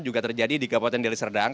juga terjadi di kabupaten deli serdang